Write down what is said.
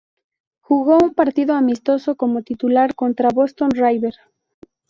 Jugó un partido amistoso como titular contra Boston River.